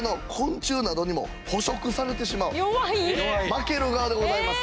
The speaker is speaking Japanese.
負ける側でございます。